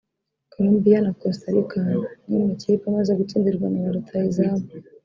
Colombia na Costa Rica niyo makipe amaze gutsindirwa nab a rutahizamu